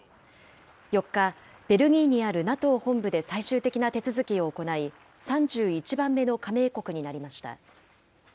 ４日、ベルギーにあるＮＡＴＯ本部で最終的な手続きを行い、３１番目の加盟国になりました。